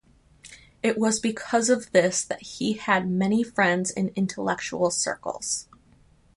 It was because of this that he had many friends in intellectual circles.